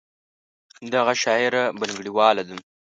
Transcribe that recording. دغه شاعره بنګړیواله ده.